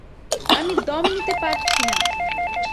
আমি দম নিতে পারছি না!